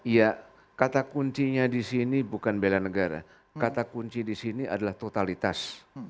ya kata kuncinya di sini bukan bela negara kata kunci di sini adalah totalitas